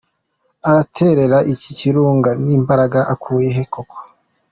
Araterera iki kirunga n’imbaraga akuye he koko?